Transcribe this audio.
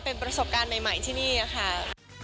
เป็นประสบการณ์ใหม่ที่นี่ค่ะ